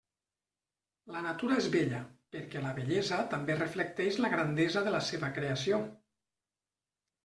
La natura és bella, perquè la bellesa també reflecteix la grandesa de la seva creació.